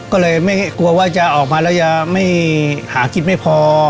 ก็เลยไม่กลัวว่าจะออกมาแล้วจะไม่หากินไม่พอ